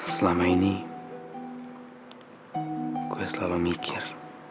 selama ini gue selalu mikir